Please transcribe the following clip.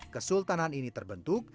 kesultanan ini terbentuk